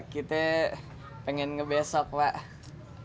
kita pengen ngebesok pak